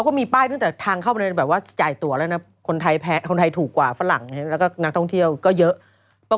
หมดดำไปไหว้พระ